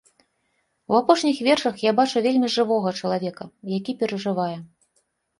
У апошніх вершах я бачу вельмі жывога чалавека, які перажывае.